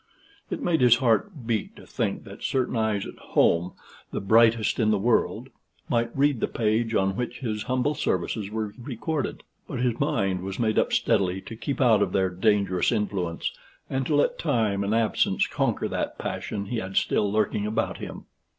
It made his heart beat to think that certain eyes at home, the brightest in the world, might read the page on which his humble services were recorded; but his mind was made up steadily to keep out of their dangerous influence, and to let time and absence conquer that passion he had still lurking about him.